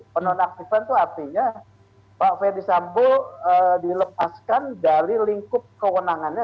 penonaktifan itu artinya pak ferdisambo dilepaskan dari lingkup kewenangannya